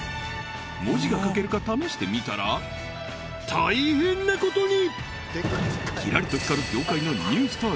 文字が書けるか試してみたら大変なことに！